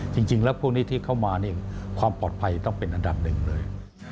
จริงแล้วพวกนี้ที่เข้ามานี่ความปลอดภัยต้องเป็นอันดับหนึ่งเลย